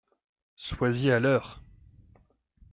Sois-y à l’heure !